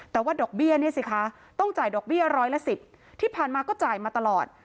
แต่ว่าดอกเบี้ยเนี่ยสิคะต้องจ่ายดอกเบี้ยร้อยละสิบที่ผ่านมาก็จ่ายมาตลอด